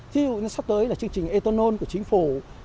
thí dụ sắp tới là chương trình ethanol của chính phủ